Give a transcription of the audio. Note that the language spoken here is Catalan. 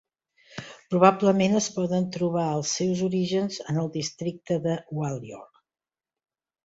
Probablement es poden trobar els seus orígens en el districte de Gwalior.